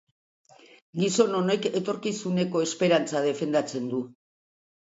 Gizon honek etorkizuneko esperantza defendatzen du.